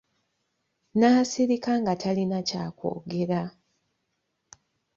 Nasirika nga talina kya kwogera.